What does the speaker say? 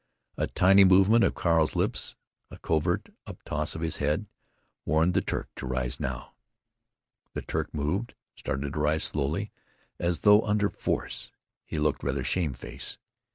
A tiny movement of Carl's lips, a covert up toss of his head, warned the Turk to rise now. The Turk moved, started to rise, slowly, as though under force. He looked rather shamefaced.